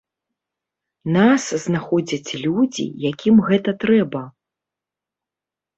Нас знаходзяць людзі, якім гэта трэба.